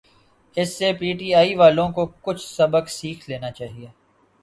اسی سے P T I والوں کو کچھ سبق سیکھ لینا چاہیے۔